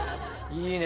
いいね。